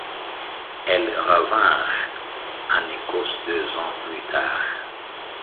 Elles revinrent en Écosse deux ans plus tard.